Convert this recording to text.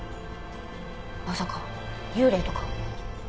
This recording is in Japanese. まさか幽霊とか？